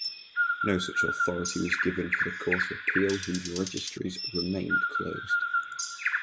No such authority was given for the Court of Appeal whose registries remained closed.